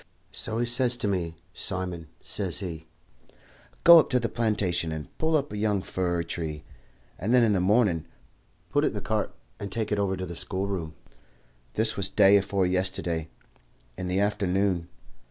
So he says to me, 'Simon,' says he, 'go up in the plantation and pull up a young fir tree, and then in the morning put it in the cart and take it over to the school room.' This was day afore yesterday, in the afternoon.